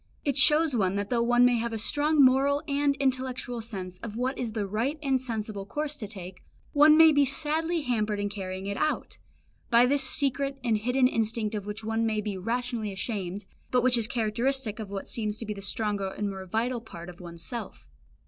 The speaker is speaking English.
It shows one that though one may have a strong moral and intellectual sense of what is the right and sensible course to take, one may be sadly hampered in carrying it out, by this secret and hidden instinct of which one may be rationally ashamed, but which is characteristic of what seems to be the stronger and more vital part of one's self.